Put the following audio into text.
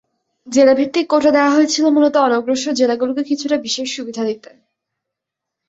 জেলাভিত্তিক quota দেওয়া হয়েছিল মূলত অনগ্রসর জেলাগুলোকে কিছুটা বিশেষ সুবিধা দিতে।